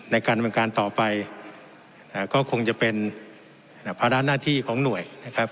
ในการดำเนินการต่อไปก็คงจะเป็นภาระหน้าที่ของหน่วยนะครับ